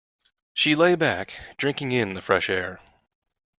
She lay back, drinking in the fresh air.